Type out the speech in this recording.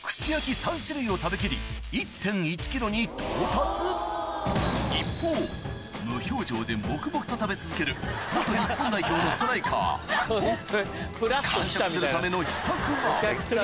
３種類を食べ切りに到達一方無表情で黙々と食べ続けるストライカー完食するための秘策は？